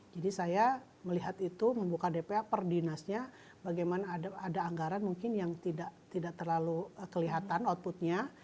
jadi saya melihat itu membuka dpa per dinasnya bagaimana ada anggaran mungkin yang tidak terlalu kelihatan outputnya